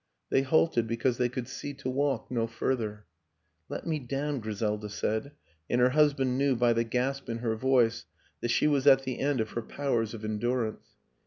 They halted because they could see to walk no further. " Let me down," Griselda said and her hus band knew by the gasp in her voice that she was at the end of her powers of endurance.